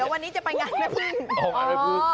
เดี๋ยววันนี้จะไปงานกัน